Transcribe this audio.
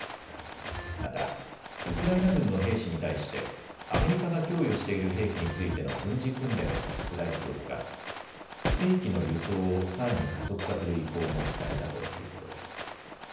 また、ウクライナ軍の兵士に対してアメリカが供与している兵器についての軍事訓練を拡大するほか兵器の輸送をさらに加速させる意向も伝えたということです。